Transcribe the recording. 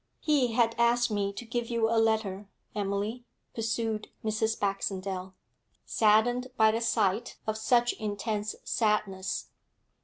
'He has asked me to give you a letter, Emily,' pursued Mrs. Baxendale, saddened by the sight of such intense sadness.